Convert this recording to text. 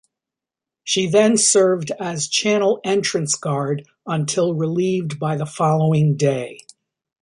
She then served as channel entrance guard until relieved by the following day.